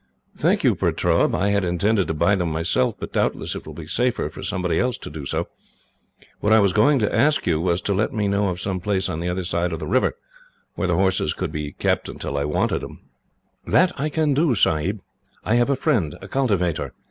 "Thank you, Pertaub. I had intended to buy them myself, but doubtless it will be safer for somebody else to do so. What I was going to ask you was to let me know of some place, on the other side of the river, where the horses could be kept until I want them." "That I can do, Sahib. I have a friend, a cultivator.